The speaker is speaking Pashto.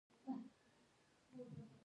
دوی بریښنا تولیدوي او ویشي.